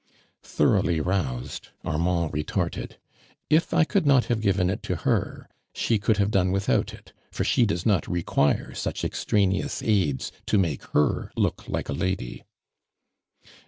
Thoroughly roused, Armand retorted: " If I could not have given it to her, she could have done without it, for she does not require such extraneous aids to make her look like a lady."